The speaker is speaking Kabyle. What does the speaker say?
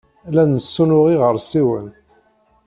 La nessunuɣ iɣersiwen.